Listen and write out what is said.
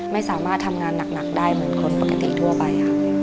ไม่สามารถทำงานหนักได้เหมือนคนปกติทั่วไปค่ะ